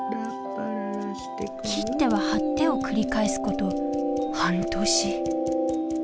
切っては貼ってを繰り返すこと半年。